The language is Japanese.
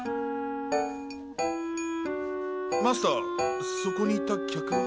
マスターそこにいた客は？